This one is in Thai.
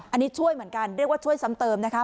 อันนี้ช่วยเหมือนกันเรียกว่าช่วยซ้ำเติมนะคะ